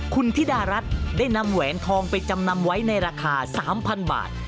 คุณธิดารัฐได้นำแหวนทองไปจำนำไว้ในราคา๓๐๐๐บาท